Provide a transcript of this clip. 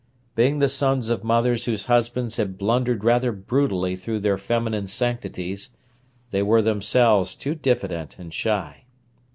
Being the sons of mothers whose husbands had blundered rather brutally through their feminine sanctities, they were themselves too diffident and shy.